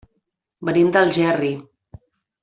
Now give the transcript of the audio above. Venim d'Algerri.